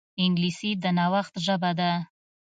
انګلیسي د نوښت ژبه ده